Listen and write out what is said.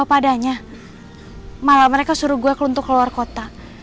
kayaknya malah mereka suruh gue ke luar kota